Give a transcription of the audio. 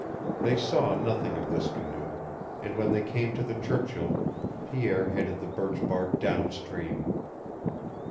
They saw nothing of this canoe, and when they came to the Churchill Pierre headed the birch bark down stream.